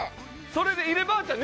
それでいればあちゃん